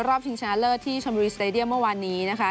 ชิงชนะเลิศที่ชนบุรีสเตดียมเมื่อวานนี้นะคะ